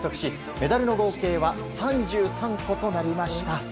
メダルの合計は３３個となりました。